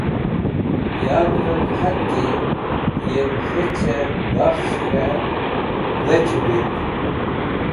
Yavrẽv k̃hat ki yem k̃hechẽ bakhs̃h k̃hẽ vec̃hũvit.